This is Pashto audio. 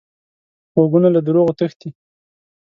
غوږونه له دروغو تښتي